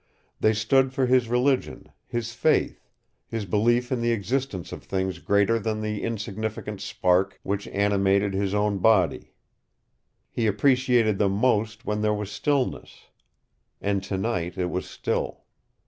They stood for his religion, his faith, his belief in the existence of things greater than the insignificant spark which animated his own body. He appreciated them most when there was stillness. And tonight it was still.